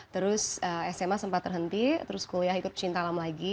terus sma sempat terhenti terus kuliah ikut cintalam lagi